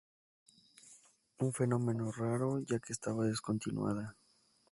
Un fenómeno raro ya que estaba descontinuada.